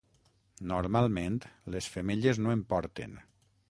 Normalment les femelles no en porten.